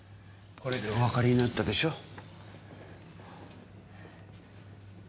これでおわかりになったでしょ。